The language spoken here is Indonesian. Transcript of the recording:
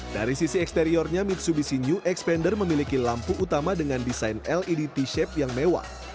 dari sisi eksteriornya mitsubishi new expander memiliki lampu utama dengan desain ledt shape yang mewah